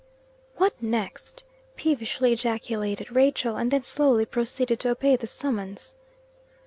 "What next?" peevishly ejaculated Rachel, and then slowly proceeded to obey the summons.